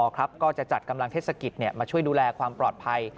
ก็จะจัดกำลังเทศกิจมาช่วยดูแลความปลอดภัย